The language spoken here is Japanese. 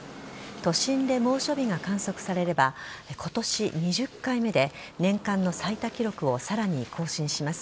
都心で猛暑日が観測されれば今年２０回目で年間の最多記録をさらに更新します。